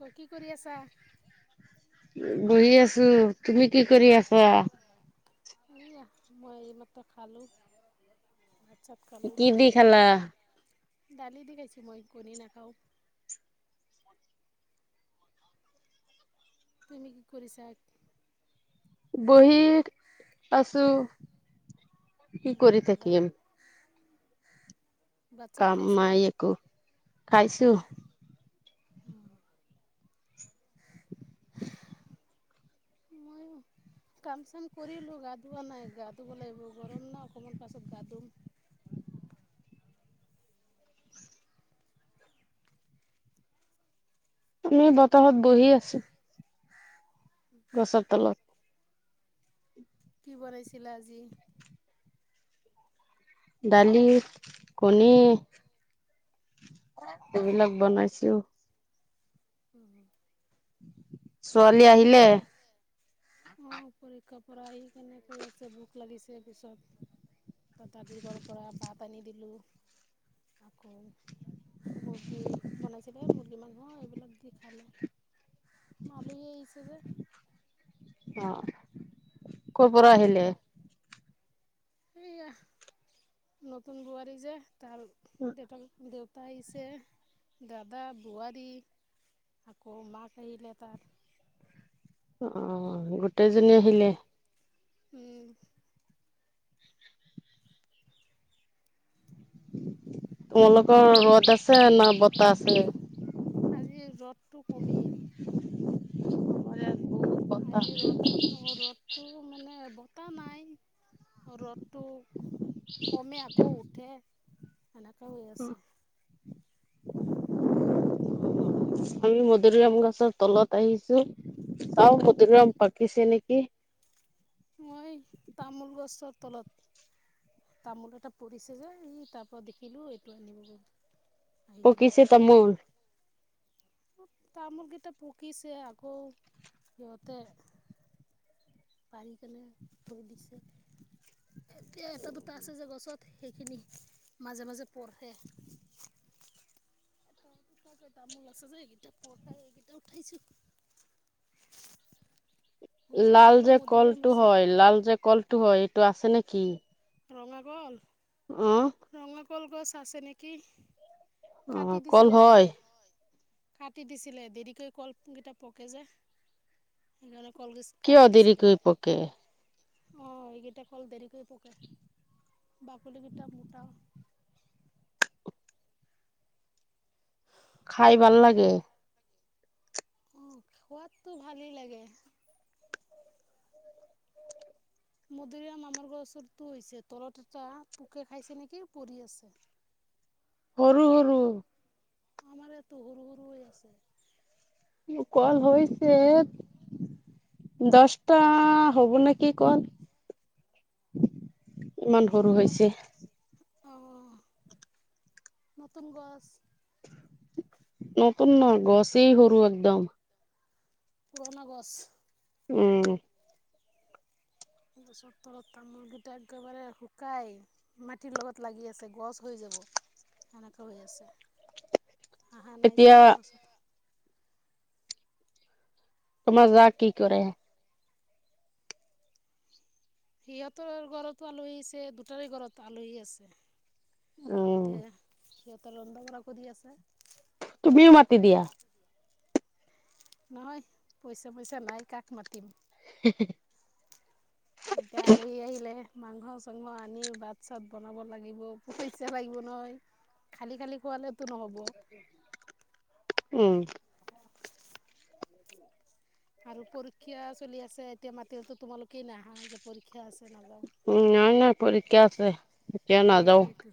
ও, কি কৰি আছা বহি আছো তুমি কি কৰি আছা সয়া মই এই মাত্ৰ খালো কি দি খালা দালি দি খাইছো মই কৰি নাখাওঁ তুমি কি কৰিছা বহি আছো কি কৰি থাকিম ভাত চাত কাম খাইছা? মাই একো খাইছো। [inaudible] ময়ো [inaudible] কাম চাম কৰিলো গা ধোৱা নাই গা ধুব লাগিব গৰম ন অকণমান পাছত গা ধুম। [inaudible] আমি বতাহত বহি আছো গছৰ তলত। কি বনাইছিলা আজি? দালি, কণী এইবিলাক বনাইছো। [inaudible] ছোৱালী আহিলে? আহ পৰীক্ষা পৰা আহি কেনে কৈ আছে ভোক লাগিছে পিছত তা দাদি ঘৰৰ পৰা ভাত আনি দিলোঁ। আকৌ মুৰ্গী মানাই ছিলে মুৰ্গী মাংস এইবিলাক দি খালে, মালহী আহিছে যে। অ, ক পৰা আহিলে? এইয়া নতুন বোৱাৰী যে তাৰ দেউতাক দেউ তা আহিছে, দাদা, বোৱাৰী আকৌ মাক আহিলে তাৰ। অ গোটেইজনী আহিলে। উম। তোমালোকৰ ৰ'দ আছে না বতাহ আছে? আজি ৰ'দটো কমিল। আমাৰ ইয়াত বহুত বতাহ আজি ৰ'দ অ ৰ'দতটো মানে এটা নাই ৰ'দটো কমে আকৌ উঠে। সেনেকুৱা হৈ আছে। আমি মধুৰিআম গছৰ তলত আহিছো চাও মধুৰিআম পাকিছে নেকি। মই তামোল গছৰ তলত তামোল এটা পৰিছে যে ই তাৰ পৰা দেখিলো এইটো আনিবাৰ [inaudible] পকিছে তামোল। তামোল কেইটা পকিছে আকৌ যতে পাৰিিক ভই দিে [inaudible] এতিয়া এটা দুটা আছে যে গছত সেইখিনি মাজে মাজে পঢ়ে। [unintelligible] াক তামোল আছে যে এইকেইটা পৰঠাই এইকেইটা উঠাইছো [inaudible] [inaudible] লাল আমাৰো যে মধুৰিআম কলটো হৈছে হয় লাল যে কলটো হয় এইটো আছে নেকি? ৰঙাগল? অঁ। কলগছ আছে নেকি। কাটি অ' কল দিছিলে হয়? কাটি দিছিলে দেৰিকে কল কেইটা পকে যে সলপ কি দেৰিকৈ পকে? অ এইকেইটা কল দেৰিকৈ পকে। বাকলি কেইটা মোটা। খাই ভাল লাগে। অ খোৱাতটো ভালেই লাগে। মদৰিীয়া মামাৰ গছৰটো হৈছে তলত এটা পোকে খাইছে নেকি পৰি আছে [inaudible] সৰু সৰু। আমাৰ এটো সৰু-সৰু হৈ আছে। কল হৈছে। দছটা হ'ব নেক কি কল। ইমান সৰু হৈছে। অহ। নতুন গছ। নতুন ন গছেই সৰু একদম। পুৰণা গছ। উম। গছৰ তলত তামোল গেটা একেবাৰে শুকাই, মাটিৰ লগত লাগি আছে গছ হৈ য সেনেকুৱা হৈ আছে। অহা নাই যে এতিয়া গ তোমাৰ যাক কি কৰে? সিহঁতৰ ঘৰতো আলহী আছে, দুটাৰে ঘৰত আলহী আছে। উম তে সিহঁতে ৰন্ধা বঢ়া কৰি আছে। তুমিও মতি দিয়া। নহয়, পইচা পইচা নাই কাক মাতিম। হেঃ হেঃ হেঃ। এতিয়া আলহী আহিলে, মাংস চাংস আনি ভাত চাত বনাব লাগিব, পইচা লাগিব নহয়। খালি খালি খোৱালেতো নহ'ব। উম। আৰু পৰীক্ষা চলি আছে এতিয়া মাতিলতো তোমালোকেই নাহা, যে পৰীক্ষা আছে। নাযাওঁ উম নাই নাই পৰীক্ষা আছে। এতিয়া নাযাও সেইটেইতো।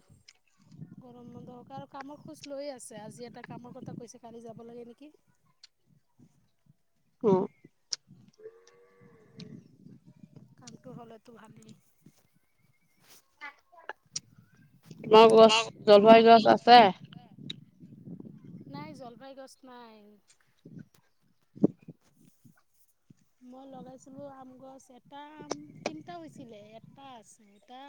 গৰম বন্ধ কাৰ কামৰ খোজ লৈয়ে আছে আজি এটা কামৰ কথা কৈছে কালি যাব লাগে নেকি উ কামটো হলেতো ভালেই [unintelligible] আছে নাই জলফাই গছ নাই মই লগাইছিলো আম গছ এটা আম তিনিটা হৈছিলে এটা আছে এটা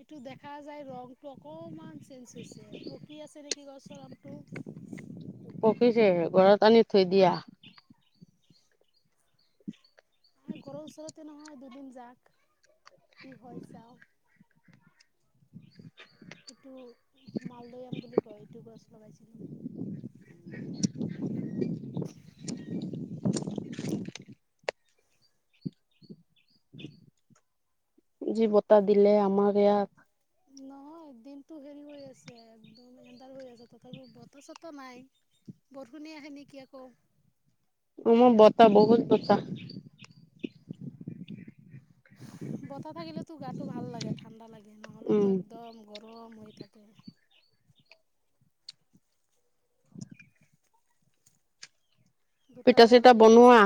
এইটো দেখা যায় ৰংটো অকনমান চেঞ্জ হৈছে পকি আছে নেকি গছৰ আমটো পকিছে ঘৰত আনি থৈ দিয়া এই গৰৰ ওচৰতে নহয় দুদিন যাক কি হয় চাওঁ এইটো মালদৈয়াম বুলি কয় এইটো গছ লগাইছিলো [unintelligible] যি বতাহ দিলে আমাৰ ইয়াত নহয় দিনটো [inaudible] হেৰি হৈ আছে একদম আন্ধাৰ হৈ আছে তথাপিও বতা চটা নাই। বৰষুনে আহে নেকি আকৌ। উম, বতাহ বহুত বতাহ। বতাহ থাকিলে তো গাটো ভাল লাগে ঠাণ্ডা লাগে। নহ'লেতো উম। একদম গৰম হৈ থাকে। পিঠা দুটাৰে চিঠা আলহী বনোৱা আছিল।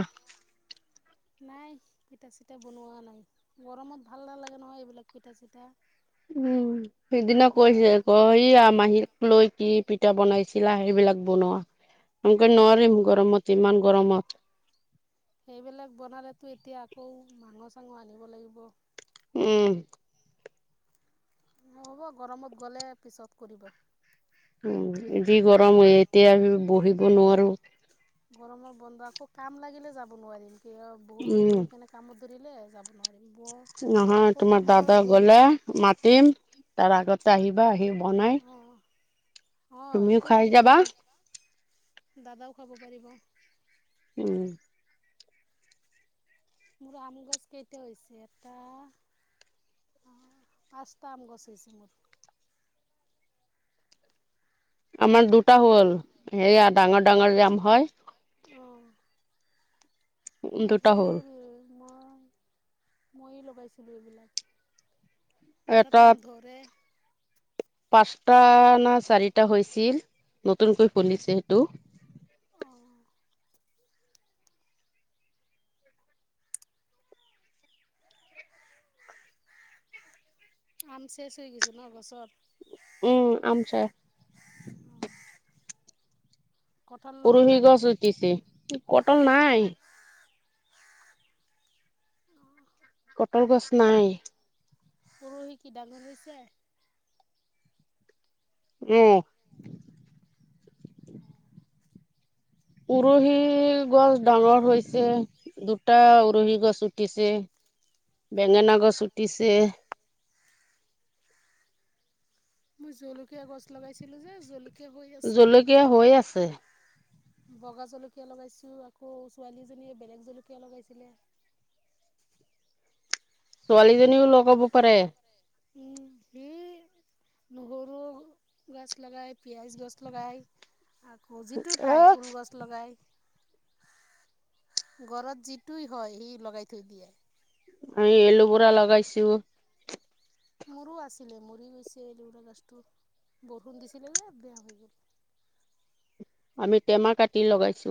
নাই পিঠা-চিঠা বনোৱা নাই। গৰমত ভাল নালাগে নহয়, এইবিলাক পিঠা-চিঠা উম, সিদিনা কৈছে [unintelligible] স মাহীক লৈ। কি পিঠা বনাইছিলা, সেইবিলাক বনোৱা। আমকৈ নোৱাৰিম অঁ গৰমত ইমান ক গৰমত সেইবিলাক বনালেতো এতিয়া আকৌ মাংস [unintelligible] আনিব লাগিব। উম। নহ'ব গৰমত গ'লে পিছত কৰিব। উম, এতিয়াতো যি গৰম গৰমত হয় এতিয়া আমি বহিব নোৱাৰো। গৰমৰ বন্ধ আকৌ কাম লাগিলে যাব নোৱাৰিম। কিয় বহুত দিন উম বহি কেনে কামত ধৰিলে যাব নোৱাৰিম বৰ নহয় আকৌ তোমাৰ কামৰ পৰা দাদা বহি গলে মাতিম। তাৰ আগতে আহিবা আহি। বনায় অ', এইটো তো দাদাক দাদাও খাব পাৰিব। উম আম গছ কেইটা হৈছে, এটা পাঁচটা আম গছ হৈছে মোৰ। আমাৰ দুটা হ'ল। সেয়া ডাঙৰ, ডাঙৰ আম হয়। অ'। মই দুটা সৰু হ'ল [unintelligible] মই, মই লগাইছিলোঁ এইবিলাক। এটা টা আম ধৰে। পাঁচটা না চাৰিটা হৈছিল, নতুনকৈ ফুলিছে সেইটো। আম চেচ হৈ গৈছে নহ গছৰ। উম, আম [unintelligible] কঁঠাল লগা উৰহী নাই গছ উঠিছে, কঁটাল নাই। কঁটাল গছ নাই। উৰহী কি ডাঙৰ হৈছে। উম। উৰহি গছ ডাঙৰ হৈছে, দুটা উৰহি গছ উঠিছে। বেঙেনা গছ উঠিছে। মই জলকীয়া গছ লগাইছিলো যে জলকীয়া হৈ আছে জলকীয়া হৈ আছে। বগা জলকীয়া লগাইছো। আকৌ ছোৱালীজনীয়ে বেলেগ জলকীয়া লগাইছিলে। উম। ছোৱালীজনীও লগাব পাৰে। উম, সি নহৰু গছ লগায়। পিয়াঁজ গছ লগায়। আকৌ যিটো এ পাই, ফুল গছ লগাই। ঘৰত যিটোই হয় সি লগাই থৈ দিয়ে। এই এলোভেৰা লগাইছো। মোৰো আছিলে, মৰি গৈছে যৰা গছটো। বৰষুণ দিছিলে যে বেয়া হৈ গ'ল। আমি টেমা কাটি লগাইছো।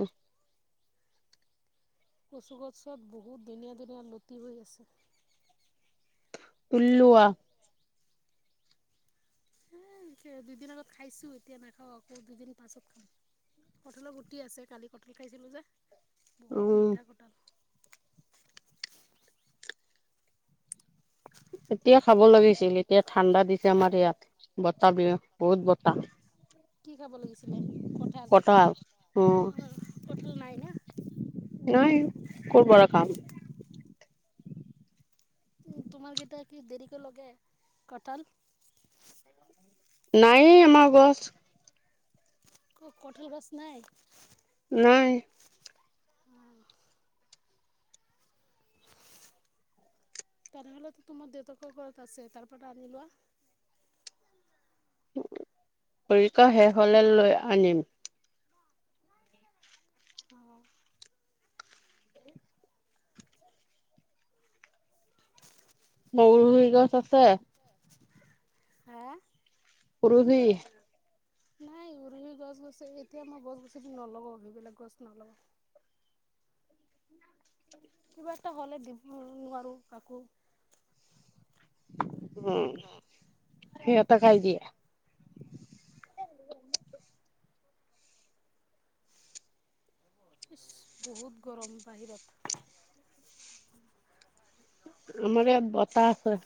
কচু গছত বহুত ধুনীয়া ধুনীয়া লতি হৈ আছে। তুলি লোৱা। দুদিন আগত খাইছো এতিয়া নাখাও আকৌ দুদিন পাছত খাম। কঠালৰ গুটি আছে। কালি কঁঠাল খাইছিলো যে বহুত উম মিঠা কঠাল। এতিয়া খাব লাগিছিল এতিয়া ঠাণ্ডা দিছে আমাৰ ইয়াত বতাহ বিয়া বহুত বতাহ। কি খাব লাগিছিলে কঠাল, কঁঠাল অ কঠাল নাই না। নাই কৰপৰা পাম। উম, তোমাৰ কেইটা কি দেৰিকৈ লগে কঠাল। নাই এ আমাৰ গছ। ক-কঠাল গছ নাই। নাই। [inaudible] তেনেহ'লেতো তোমাৰ দেউতাকৰ ঘৰত আছে তাৰ পৰা আনি লোৱা। পৰিখা শেষ হলে লৈ আনিম। অ'। বগুৰগুৰি গছ আছে? [inaudible] পোৰুহি। নাই উৰুহি গছ গছে এতিয়া মই গছ গছনি নলগাওঁ সেইবিলাক গছ নলওঁ। কিবা এটা হ'লে দিব নোৱাৰো কাকো। উম। সেইএটা কাই দিয়ে। ইচ বহুত গৰম বাহিৰত আমাৰ ইয়াত বতাহ আছে।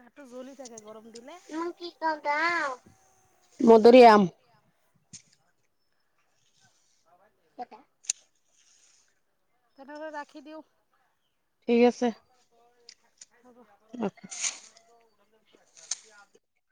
গাটো জ্বলি থাকে। গৰম দিলে মধুৰিআম। কাটা। তেনে হ'লে ৰাখি দিওঁ। ঠিক আছে। [unintelligible]